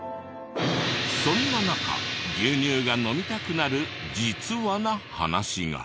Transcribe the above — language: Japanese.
そんな中牛乳が飲みたくなる「実は」な話が。